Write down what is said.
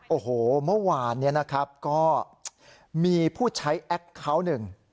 โอ้โหเมื่อวานนี้นะครับก็มีผู้ใช้แอคเคาน์หนึ่ง